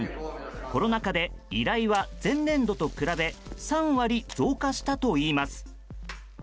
コロナ禍で依頼は前年度と比べ３割増加したといいます。